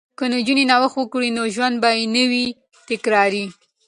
که نجونې نوښت وکړي نو ژوند به نه وي تکراري.